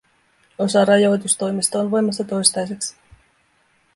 Osa rajoitustoimista on voimassa toistaiseksi.